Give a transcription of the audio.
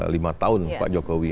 lima tahun pak jokowi